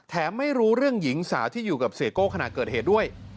ไม่รู้เรื่องหญิงสาวที่อยู่กับเสียโก้ขณะเกิดเหตุด้วย